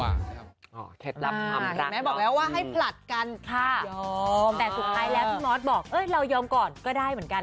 เอ๊ยเรายอมก่อนก็ได้เหมือนกัน